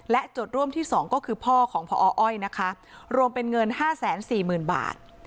โจทย์ร่วมที่๒ก็คือพ่อของพออ้อยนะคะรวมเป็นเงิน๕๔๐๐๐บาท